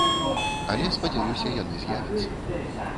Але, спадзяюся, яны з'явяцца.